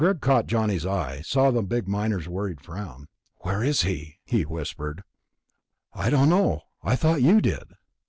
Greg caught Johnny's eye, saw the big miner's worried frown. "Where is he?" he whispered. "I don't know. Thought you did...."